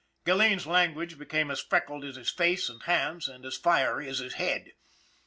Gilleen's language became as freckled as his face and hands and as fiery as his head.